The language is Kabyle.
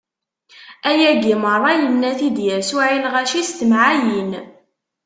Ayagi meṛṛa, inna-t-id Yasuɛ i lɣaci s temɛayin.